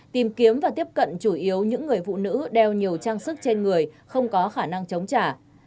tìm kiếm và tiếp cận chủ yếu những người phụ nữ đeo nhiều trang sức trên người không có khả năng chống trả